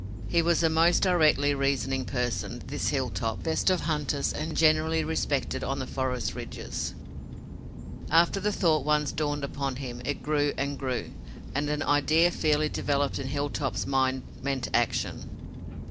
He was a most directly reasoning person, this Hilltop, best of hunters and generally respected on the forest ridges. After the thought once dawned upon him, it grew and grew, and an idea fairly developed in Hilltop's mind meant action.